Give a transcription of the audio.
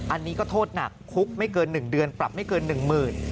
อันนี้ก็โทษหนักคุกไม่เกิน๑เดือนปรับไม่เกิน๑๐๐๐บาท